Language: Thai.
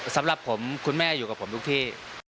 สำหรับผมคุณแม่อยู่กับผมทุกที่